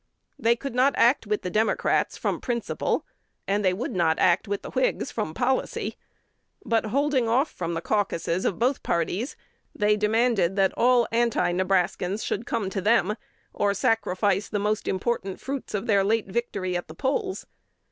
"They could not act with the Democrats from principle, and would not act with the Whigs from policy;" but, holding off from the caucuses of both parties, they demanded that all Anti Nebraska should come to them, or sacrifice the most important fruits of their late victory at the polls.